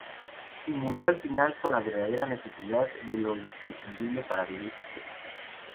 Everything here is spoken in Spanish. Y murió al final con la verdadera necesidad de lo imprescindible para vivir.